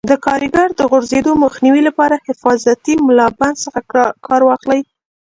د کاریګرو د غورځېدو مخنیوي لپاره حفاظتي ملابند څخه کار واخلئ.